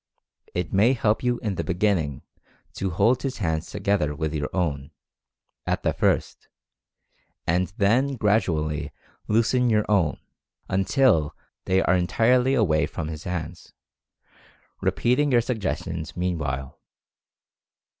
It may help you in the beginning to hold his hands together with your own, at the first, and then gradually loosen your own, until they are entirely away from his hands, repeating your suggestions meanwhile.